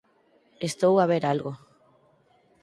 Estou a ver algo.